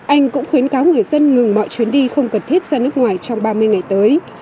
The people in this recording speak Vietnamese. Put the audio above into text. anh cũng khuyến cáo người dân ngừng mọi chuyến đi không cần thiết ra nước ngoài trong ba mươi ngày tới